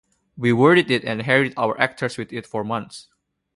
We worried it and harried our actors with it for months.